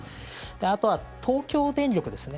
あとは東京電力ですね